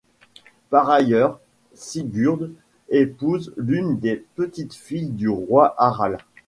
Par ailleurs, Sigurd épouse l'une des petites-filles du roi Harald.